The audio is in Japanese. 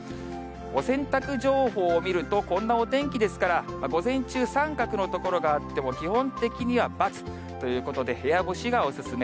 お洗濯情報を見ると、こんなお天気ですから、午前中三角の所があっても、基本的にはバツということで、部屋干しがお勧め。